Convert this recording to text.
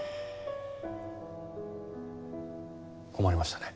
困りましたね。